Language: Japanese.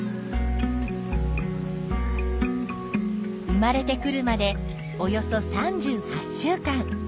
生まれてくるまでおよそ３８週間。